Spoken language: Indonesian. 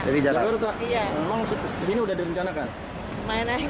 emang kesini sudah direncanakan